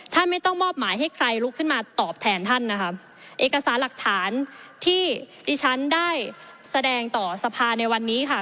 ไม่ต้องมอบหมายให้ใครลุกขึ้นมาตอบแทนท่านนะคะเอกสารหลักฐานที่ดิฉันได้แสดงต่อสภาในวันนี้ค่ะ